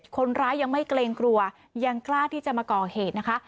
คนร้ายยังไม่เกรงกลัวยังกล้าที่จะมาก่อเหตุนะคะ